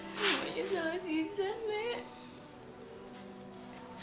semuanya salah zizan nek